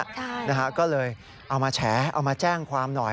ใช่นะฮะก็เลยเอามาแฉเอามาแจ้งความหน่อย